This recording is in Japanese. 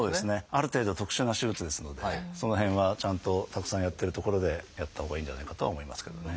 ある程度特殊な手術ですのでその辺はちゃんとたくさんやってる所でやったほうがいいんじゃないかとは思いますけどね。